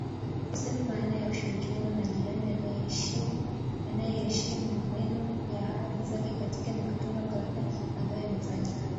kusema maana ya ushirikiano na jirani anayeheshimu maneno na ahadi zake katika mikutano kadhaa ambayo imefanyika”